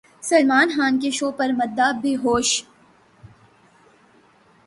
سلمان خان کے شو پر مداح بےہوش